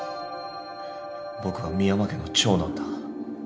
僕は深山家の長男だ。